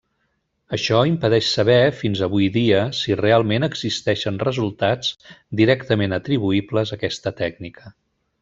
Això impedeix saber fins avui dia si realment existeixen resultats directament atribuïbles a aquesta tècnica.